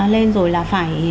lên rồi là phải